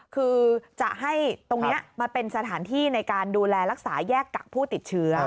คือจะให้ตรงนี้มาเป็นสถานที่ในการดูแลรักษาแยกกักผู้ติดเชื้อ